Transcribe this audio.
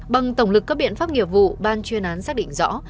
bằng tổng lực các biện pháp nghiệp vụ ban chuyên án xác định rõ